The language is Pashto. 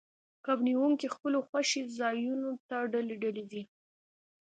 کب نیونکي خپلو خوښې ځایونو ته ډلې ډلې ځي